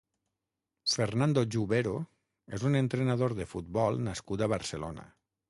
Fernando Jubero és un entrenador de futbol nascut a Barcelona.